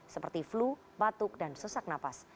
seperti flu batuk dan sesak napas